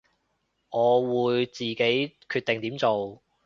我會自己決定點做